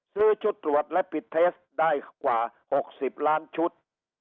ชุดตรวจและปิดเทสได้กว่า๖๐ล้านชุด